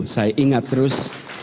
saya ingat terus